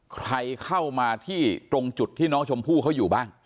ใครเข้ามาที่ตรงจุดที่น้องชมพู่เขาอยู่บ้าง